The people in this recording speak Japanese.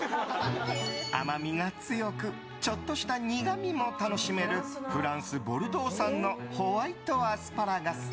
甘みが強くちょっとした苦みも楽しめるフランス・ボルドー産のホワイトアスパラガス。